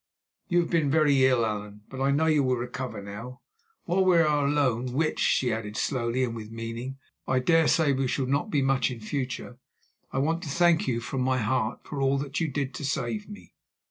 "You have been very ill, Allan, but I know you will recover now. While we are alone, which," she added slowly and with meaning, "I dare say we shall not be much in future, I want to thank you from my heart for all that you did to save me.